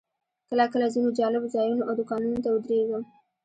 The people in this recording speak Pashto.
کله کله ځینو جالبو ځایونو او دوکانونو ته ودرېږم.